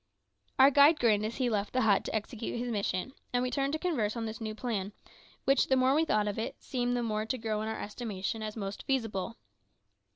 Our guide grinned as he left the hut to execute his mission, and we turned to converse on this new plan, which, the more we thought of it, seemed the more to grow in our estimation as most feasible.